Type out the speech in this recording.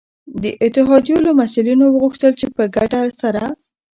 د اتحادیو له مسؤلینو وغوښتل چي په ګډه سره